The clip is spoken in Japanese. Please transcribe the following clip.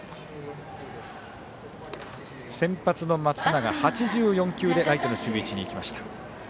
先発の松永は８４球でライトの守備位置に行きました。